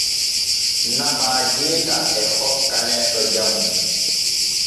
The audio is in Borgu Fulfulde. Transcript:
Nafa geeta e hokka neɗɗo jamu.